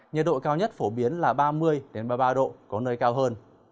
nhiệt độ cao nhất phổ biến là ba mươi ba mươi ba độ có nơi cao hơn